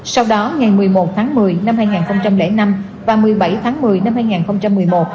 sau đó ngày một mươi một tháng một mươi năm hai nghìn năm và một mươi bảy tháng một mươi năm hai nghìn một mươi một